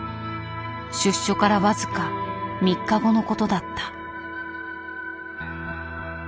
出所から僅か３日後のことだった。